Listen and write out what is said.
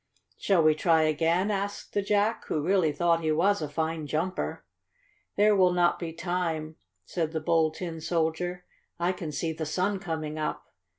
"Shall we try it again?" asked the Jack, who really thought he was a fine jumper. "There will not be time," said the Bold Tin Soldier. "I can see the sun coming up.